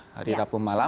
hari rabu malam